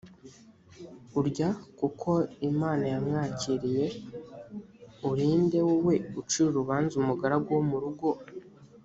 urya kuko imana yamwakiriye uri nde wowe ucira urubanza umugaragu wo mu rugo